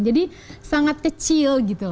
jadi sangat kecil